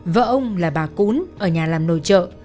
vợ ông là bà cũng ở nhà làm nồi trợ